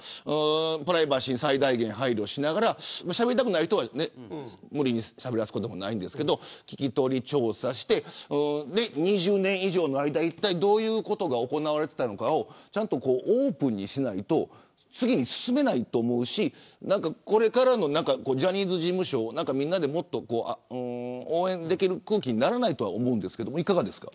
プライバシーに最大限配慮しながらしゃべりたくない人は無理にしゃべらせることもないですけど聞き取り調査をして２０年以上の間にいったいどういうことが行われていたのかをオープンにしないと次に進めないと思うしこれからのジャニーズ事務所をみんなで応援できる空気にならないと思うんですけどいかがですか。